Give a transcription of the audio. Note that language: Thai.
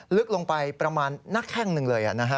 ลึกลงไปประมาณนักแค่งหนึ่งเลยนะฮะ